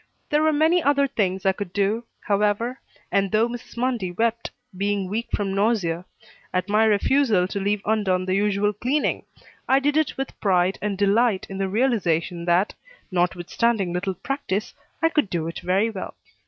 There were many other things I could do, however, and though Mrs. Mundy wept, being weak from nausea, at my refusal to leave undone the usual cleaning, I did it with pride and delight in the realization that, notwithstanding little practice, I could do it very well.